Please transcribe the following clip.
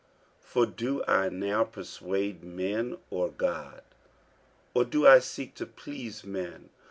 48:001:010 For do I now persuade men, or God? or do I seek to please men?